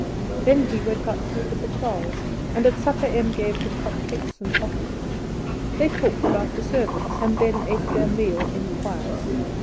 Then he went out to look at the kraals, and at supper Em gave him hot cakes and coffee. They talked about the servants, and then ate their meal in quiet.